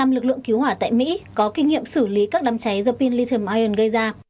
ba lực lượng cứu hỏa tại mỹ có kinh nghiệm xử lý các đám cháy do pin lithium ion gây ra